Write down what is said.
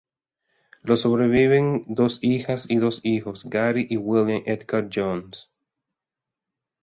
Le sobreviven dos hijas y dos hijos, Gary y William Edgar Jones.